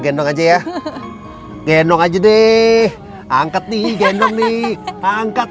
gendong aja ya gendong aja deh angkat nih gendong nih angkat